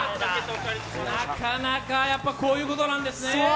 なかなか、こういうことなんですね。